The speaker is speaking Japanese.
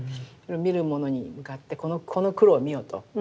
見る者に向かって「この黒を見よ」と。